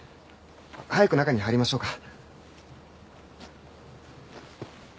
早く中に入りましょうか。